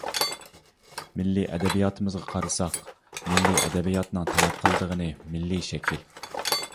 مىللىي ئەدەبىياتىمىزغا قارىساق، مىللىي ئەدەبىياتنىڭ تەلەپ قىلىدىغىنى مىللىي شەكىل.